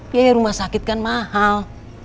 biaya rumah sakit kan mahal